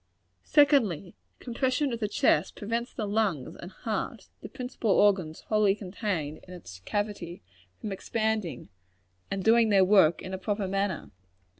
Secondly compression of the chest prevents the lungs and heart the principal organs wholly contained in its cavity from expanding, and doing their work in a proper manner.